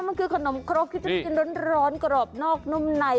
มันคือขนมครกที่จะกินร้อนกรอบนอกนุ่มใน